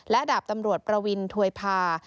และดาบตำรวจประวินถวยพา